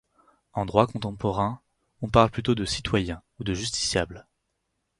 En droit contemporain, on parle plutôt de citoyen ou de justiciable.